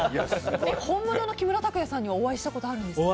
本物の木村拓哉さんにお会いしたことあるんですか？